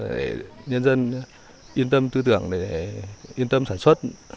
để nhân dân yên tâm tư tưởng để yên tâm sản xuất